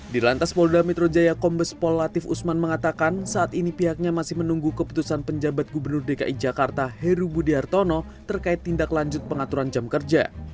di lantas polda metro jaya kombes pol latif usman mengatakan saat ini pihaknya masih menunggu keputusan penjabat gubernur dki jakarta heru budi hartono terkait tindak lanjut pengaturan jam kerja